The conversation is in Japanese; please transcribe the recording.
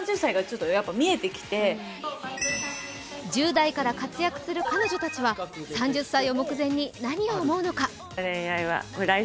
１０代から活躍する彼女たちは３０歳を目前に何をやるのか。